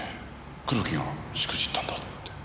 黒木がしくじったんだって。